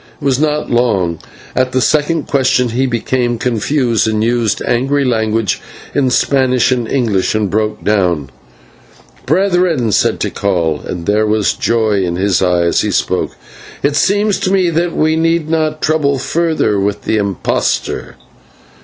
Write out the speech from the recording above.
It was not long. At the second question he became confused, used angry language in Spanish and English, and broke down. "Brethren," said Tikal and there was joy in his eye, as he spoke "it seems that we need not trouble further with this impostor.